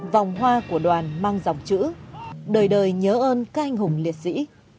vòng hoa của đoàn mang dòng chữ đời đời nhớ ơn các anh hùng liệt sĩ